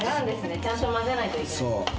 ・ちゃんとまぜないといけない。